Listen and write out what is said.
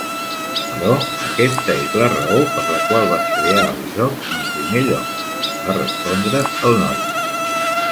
"Però aquesta és la raó per la qual vas crear el joc en primer lloc", va respondre el noi.